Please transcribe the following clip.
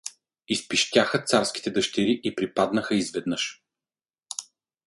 — изпищяха царските дъщери и припаднаха изведнъж.